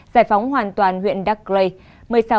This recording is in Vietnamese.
giải phóng hoàn toàn huyện đắc lê